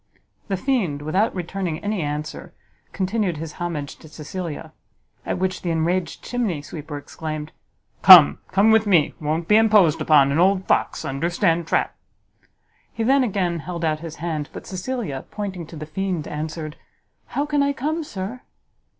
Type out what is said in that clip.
The fiend, without returning any answer, continued his homage to Cecilia; at which the enraged chimney sweeper exclaimed, "Come, come with me! won't be imposed upon; an old fox, understand trap!" He then again held out his hand, but Cecilia, pointing to the fiend, answered, "How can I come, sir?"